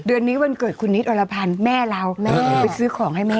เดือนนี้วันเกิดคุณนิดอรพันธ์แม่เราแม่ไปซื้อของให้แม่